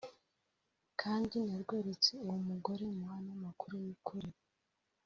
kandi narweretse uwo mugore muha n’amakuru y’ukuri